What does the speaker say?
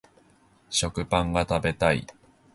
食パンが食べたい